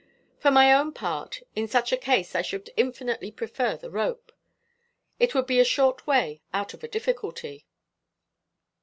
For my own part, in such a case I should infinitely prefer the rope. It would be a short way out of a difficulty."